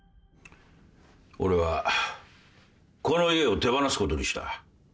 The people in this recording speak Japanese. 俺はこの家を手放すことにした。